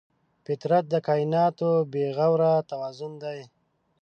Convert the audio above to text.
فطرت د کایناتو بېغوره توازن دی.